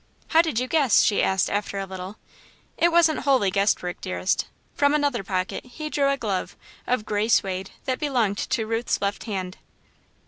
"How did you guess?" she asked, after a little. "It wasn't wholly guess work, dearest." From another pocket, he drew a glove, of grey suede, that belonged to Ruth's left hand.